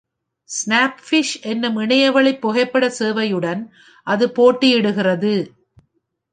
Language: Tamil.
Snapfish என்னும் இணையவழி புகைப்பட சேவையுடன் அது போட்டியிடுகிறது.